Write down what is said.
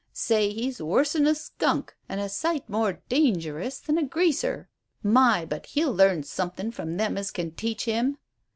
"Say, he's worse'n a skunk, and a sight more dangerous than a Greaser. My, but he'll learn somethin' from them as can teach him!"